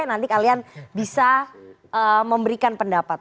nanti kalian bisa memberikan pendapat